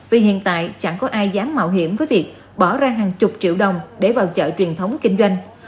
vì hiện tại chẳng có ai dám mạo hiểm với việc bỏ ra hàng chục triệu đồng để vào chợ truyền thống kinh doanh